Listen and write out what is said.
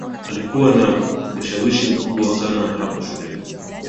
alikuwa na ushawishi mkubwa sana hapo shuleni